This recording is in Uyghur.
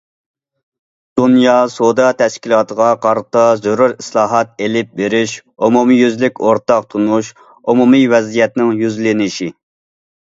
دۇنيا سودا تەشكىلاتىغا قارىتا زۆرۈر ئىسلاھات ئېلىپ بېرىش ئومۇميۈزلۈك ئورتاق تونۇش، ئومۇمىي ۋەزىيەتنىڭ يۈزلىنىشى.